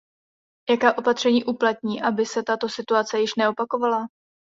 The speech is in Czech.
Jaká opatření uplatní, aby se tato situace již neopakovala?